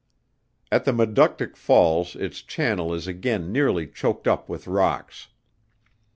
At the Maductic Falls its channel is again nearly choked up with rocks.